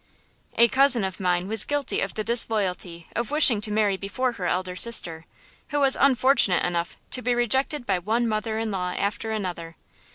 A cousin of mine was guilty of the disloyalty of wishing to marry before her elder sister, who was unfortunate enough to be rejected by one mother in law after another.